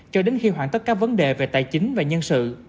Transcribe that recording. cho đến khi hoạn tất các vấn đề về tài chính và nhân sự